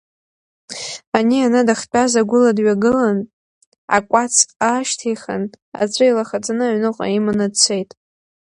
Ани ана дахьтәаз агәыла дҩагылан, акәац аашьҭихын, аҵәы илахаҵаны, аҩныҟа иманы дцеит.